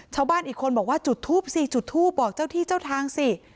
ชาวบ้านอีกคนบอกว่าจุดทูปสิจุดทูปบอกเจ้าที่เจ้าทางสิ